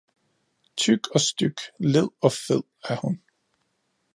Tyk og styg, led og fed er hun